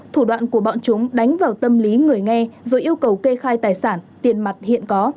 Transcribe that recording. thủ đoạn của bọn chúng đánh vào tâm lý người nghe rồi yêu cầu kê khai tài sản tiền mặt hiện có